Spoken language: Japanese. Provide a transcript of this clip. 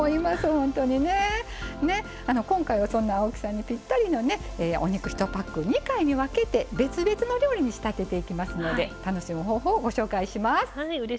今回はそんな青木さんにぴったりのお肉１パックを２回に分けて別々の料理に仕立てていきますので楽しむ方法をご紹介しましょう。